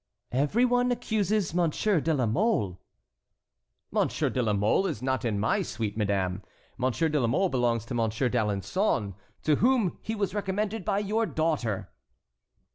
"Every one accuses Monsieur de la Mole." "Monsieur de la Mole is not in my suite, madame; Monsieur de la Mole belongs to Monsieur d'Alençon, to whom he was recommended by your daughter."